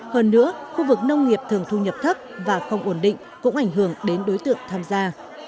hơn nữa khu vực nông nghiệp thường thu nhập thấp và không ổn định cũng ảnh hưởng đến đối tượng tham gia